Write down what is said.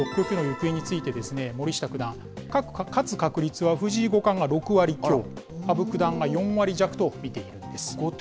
第６局の行方について、森下九段、勝つ確率は、藤井五冠が６割強、羽生九段が４割弱と見ているんです。